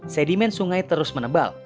sedimen sungai terus menebal